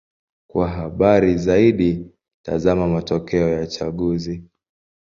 Kwa habari zaidi: tazama matokeo ya uchaguzi.